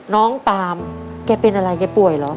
น้องปามแกเป็นอะไรแกป่วยเหรอ